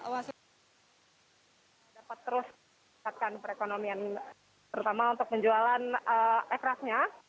dapat terus menekatkan perekonomian terutama untuk penjualan inakraftnya